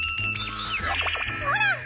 ほら！